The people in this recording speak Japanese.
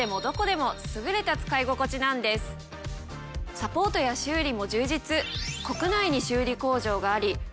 サポートや修理も充実。